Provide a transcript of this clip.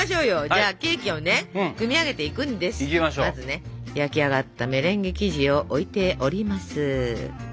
じゃあケーキを組み上げていくんですけどまずね焼き上がったメレンゲ生地を置いております。